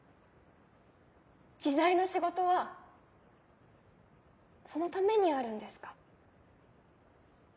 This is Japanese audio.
知財の仕事はそのためにあるんですか？